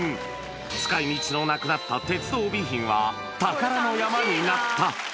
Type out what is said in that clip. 使いみちのなくなった鉄道備品は、宝の山になった。